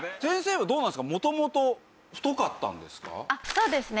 そうですね。